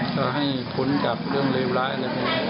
ก็ให้ทุนกับเรื่องเลวร้าย